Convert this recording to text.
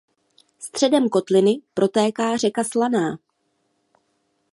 Středem kotliny protéká řeka Slaná.